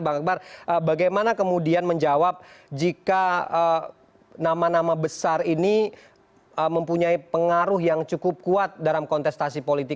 bang akbar bagaimana kemudian menjawab jika nama nama besar ini mempunyai pengaruh yang cukup kuat dalam kontestasi politik